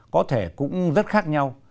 có thể cũng rất khác nhau